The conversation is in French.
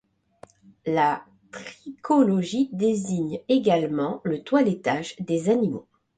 La trichologie désigne également le toilettage des animaux.